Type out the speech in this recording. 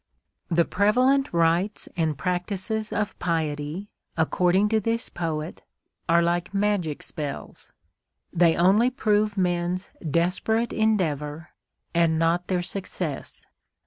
The prevalent rites and practices of piety, according to this poet, are like magic spells—they only prove men's desperate endeavour and not their success.